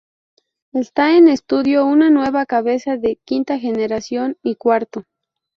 Está en estudio una nueva cabeza de "quinta generación y cuarto".